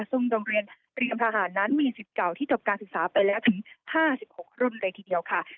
ซึ่งโรงเรียนเตรียมทหารนั้นมีสิทธิ์เก่าที่จบการศึกษาไปแล้วถึง๕๖รุ่นเลยทีเดียวค่ะ